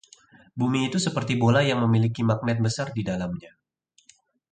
Bumi itu seperti bola yang memiliki magnet besar di dalamnya.